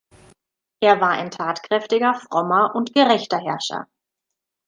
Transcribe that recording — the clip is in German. Er war ein tatkräftiger, frommer und gerechter Herrscher.